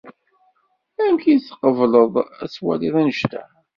Amek i tqebleḍ ad twaliḍ annect-a?